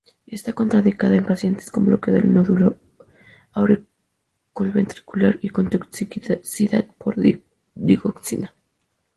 Está contraindicada en pacientes con bloqueo del nódulo auriculoventricular o con toxicidad por digoxina.